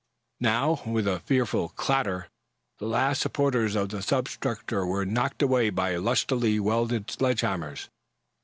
Now, with a fearful clattering, the last supports of the substructure were knocked away by lustily wielded sledge hammers.